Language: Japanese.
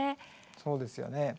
そうですよね。